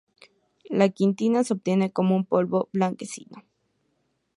La quitina se obtiene como un polvo blanquecino.